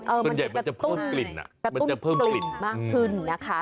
มันจะตุ้นกลิ่นมากขึ้นนะคะ